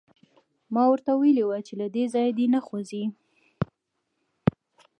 ما ورته ویلي وو چې له دې ځایه دې نه خوځي